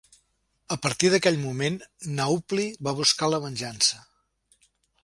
A partir d'aquell moment, Naupli va buscar la venjança.